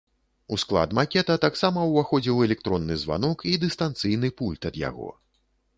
У склад макета таксама ўваходзіў электронны званок і дыстанцыйны пульт ад яго.